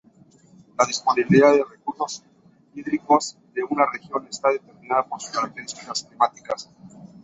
La disponibilidad de recursos hídricos de una región está determinada por sus características climáticas.